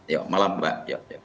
yuk malam mbak